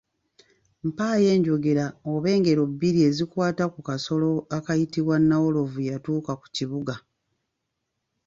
Mpaayo enjogera oba engero bbiri ezikwata ku kasolo akayitibwa nawolovu yatuuka ku kibuga.